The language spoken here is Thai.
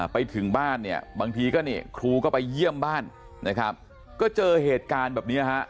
ไปถึงบ้านบางทีครูก็ไปเยี่ยมบ้านก็เจอเหตุการณ์แบบนี้